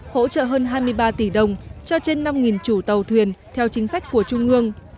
hỗ trợ hơn hai mươi ba tỷ đồng cho trên năm chủ tàu thuyền theo chính sách của trung ương